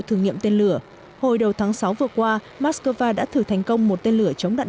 thử nghiệm tên lửa hồi đầu tháng sáu vừa qua moscow đã thử thành công một tên lửa chống đạn